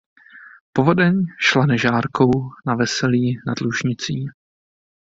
Povodeň šla Nežárkou na Veselí nad Lužnicí.